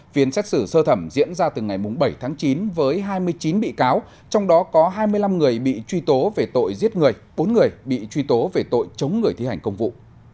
phiên xét xử sơ thẩm diễn ra từ ngày bảy tháng chín với hai mươi chín bị cáo trong đó có hai mươi năm người bị truy tố về tội giết người bốn người bị truy tố về tội chống người thi hành công vụ